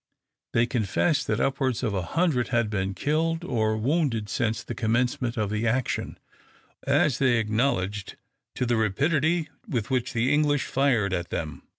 They confessed that upwards of a hundred had been killed and wounded since the commencement of the action, owing, as they acknowledged, to the rapidity with which the English fired at them.